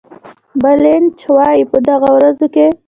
بلنټ وایي په دغه ورځو کې.